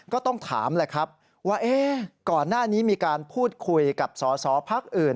ก็ต้องถามว่าก่อนหน้านี้มีการพูดคุยกับสอสอภักดิ์อื่น